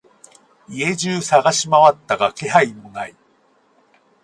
家中探しまわったが気配もない。